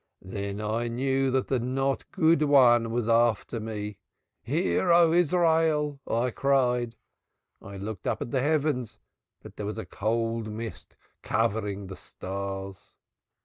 Then I knew that the Not Good One was after me. 'Hear, O Israel,' I cried. I looked up to the heavens but there was a cold mist covering the stars.